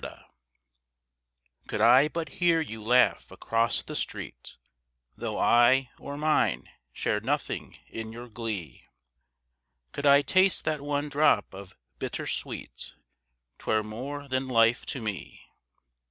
MAD Could I but hear you laugh across the street, Though I, or mine, shared nothing in your glee, Could I taste that one drop of bitter sweet, 'Twere more than life to me.